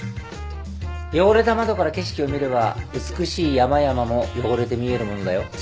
汚れた窓から景色を見れば美しい山々も汚れて見えるものだよ。